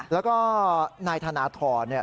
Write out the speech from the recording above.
แล้วก็นายธนทรเนี่ย